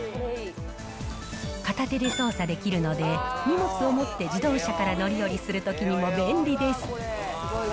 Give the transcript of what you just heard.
片手で操作できるので、荷物を持って自動車から乗り降りするときにも便利です。